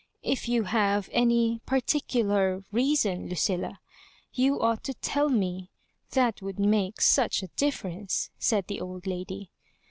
" If you have way particular reason, Lucilla, you ought to tell me— that would make such a differ ence, said the old lady.